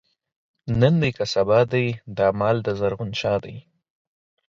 نن دی که سبا دی، دا مال دَ زرغون شاه دی